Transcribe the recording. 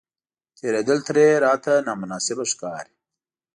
تېرېدل ترې راته نامناسبه ښکاري.